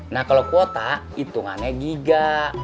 nah kalau kuota hitungannya giga